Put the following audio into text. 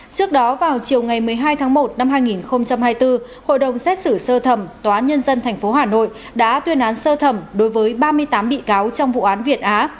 trước đó vào chiều ngày một mươi hai tháng một năm hai nghìn hai mươi bốn hội đồng xét xử sơ thẩm tòa nhân dân tp hà nội đã tuyên án sơ thẩm đối với ba mươi tám bị cáo trong vụ án việt á